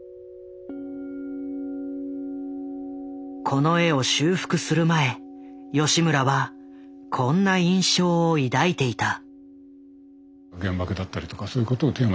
この絵を修復する前吉村はこんな印象を抱いていた。